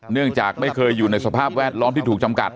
เนื่องจากไม่เคยอยู่ในสภาพแวดล้อมที่ถูกจำกัด